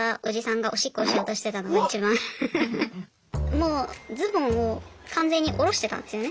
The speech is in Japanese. もうズボンを完全に下ろしてたんですよね